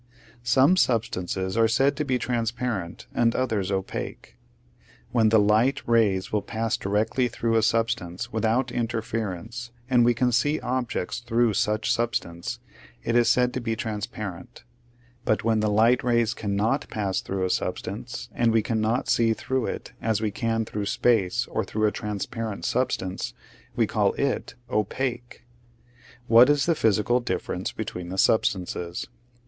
Some substances are said to be transparent and others opaque. When the light rays will pass directly through a substance without in terference, and we can see objects through such substance, it is said to be transparent, but when the light rays cannot pass through a substance and we cannot see through it as we can through space or through a transparent substance, we call it opaque. What is the physical difference between the substances